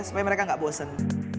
supaya mereka gak bosen